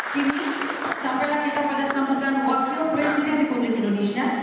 kini sampailah kita pada sambutan wakil presiden republik indonesia